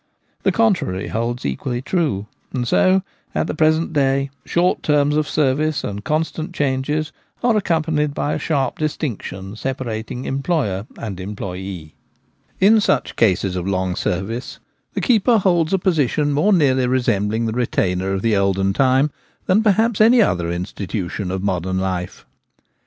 The contrary holds equally true ; and 50 at the present day short terms of service and con stant changes are accompanied by a sharp distinction separating employer and employd In such cases of long service the keeper holds a position more nearly resembling the retainer of the olden time than perhaps any other ' institution ' of modern life.